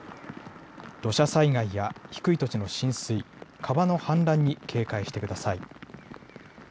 土砂災害や低い土地の浸水、川の氾濫に警戒してください。